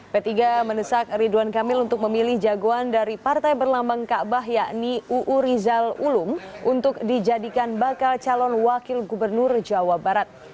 p tiga mendesak ridwan kamil untuk memilih jagoan dari partai berlambang kaabah yakni uu rizal ulum untuk dijadikan bakal calon wakil gubernur jawa barat